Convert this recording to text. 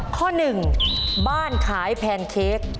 ข้อหนึ่งบ้านขายแพนเค้ก